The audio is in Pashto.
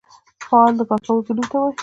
فاعل د کار کوونکی نوم ته وايي.